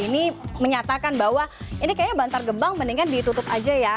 ini menyatakan bahwa ini kayaknya bantar gebang mendingan ditutup aja ya